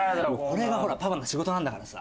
これがほらパパの仕事なんだからさ。